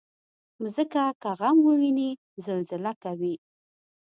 مځکه که غم وویني، زلزله کوي.